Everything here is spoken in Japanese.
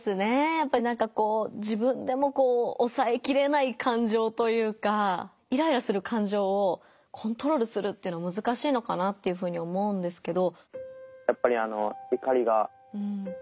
やっぱりなんかこう自分でもこうおさえきれない感情というかイライラする感情をコントロールするっていうのはむずかしいのかなっていうふうに思うんですけど。